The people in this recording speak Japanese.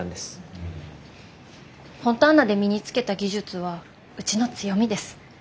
フォンターナで身につけた技術はうちの強みです。